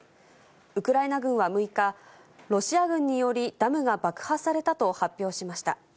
ウクライナ軍は６日、ロシア軍によりダムが爆破されたと発表しました。